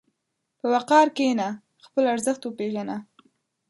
په وقار کښېنه، خپل ارزښت وپېژنه.